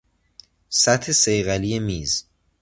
سطح صیقلی میز